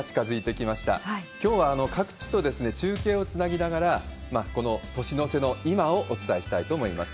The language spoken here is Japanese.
きょうは各地と中継をつなぎながら、この年の瀬の今をお伝えしたいと思います。